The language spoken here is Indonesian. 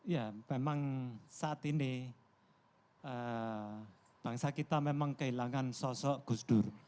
ya memang saat ini bangsa kita memang kehilangan sosok gus dur